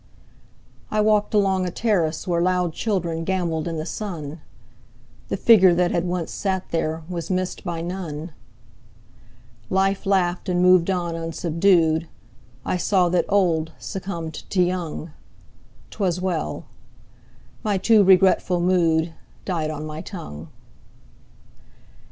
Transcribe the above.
I walked along a terrace where Loud children gambolled in the sun; The figure that had once sat there Was missed by none. Life laughed and moved on unsubdued, I saw that Old succumbed to Young: 'Twas well. My too regretful mood Died on my tongue.